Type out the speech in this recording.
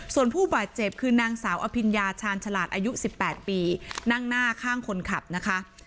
ส่วนผู้บาดเจ็บคือนางสาวอภิญญาชาญฉลาดอายุ๑๘ปีนั่งหน้าข้างคนขับนะคะ